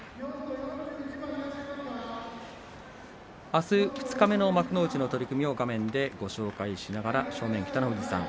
あす二日目の幕内の取組を画面でご紹介しながら正面、北の富士さん